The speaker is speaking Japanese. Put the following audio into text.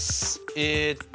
えっと。